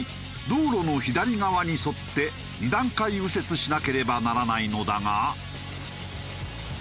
道路の左側に沿って二段階右折しなければならないのだが。